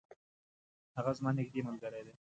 هغه زما نیږدي ملګری دی.